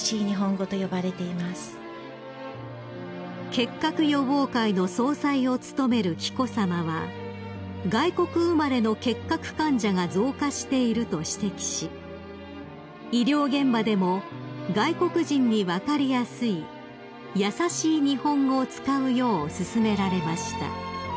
［結核予防会の総裁を務める紀子さまは外国生まれの結核患者が増加していると指摘し医療現場でも外国人に分かりやすいやさしい日本語を使うようすすめられました］